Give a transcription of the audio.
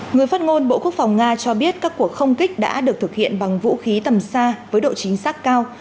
người phát ngôn bộ quốc phòng nga cho biết các cuộc không kích đã được thực hiện bằng vũ khí tầm xa với độ chính xác cao